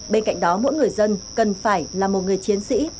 bên cạnh đó mỗi người dân cần phải là một người chiến sĩ